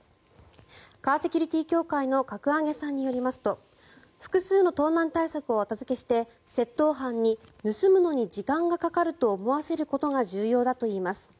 カーセキュリティ協会の攪上さんによりますと複数の盗難対策を後付けして窃盗犯に盗むのに時間がかかると思わせることが重要だといいます。